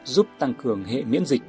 giúp tăng cường hệ miễn dịch